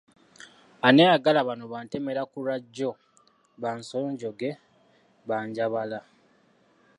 Ani ayagala bano ba ntemera ku lwajjo, ba nsonjoge, ba Njabala?